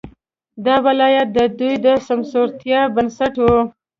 دا ولایت د دوی د سمسورتیا بنسټ وو.